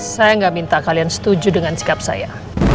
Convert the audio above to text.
saya nggak minta kalian setuju dengan sikap saya